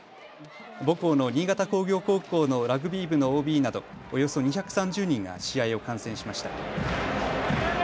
母校の新潟工業高校のラグビー部のＯＢなどおよそ２３０人が試合を観戦しました。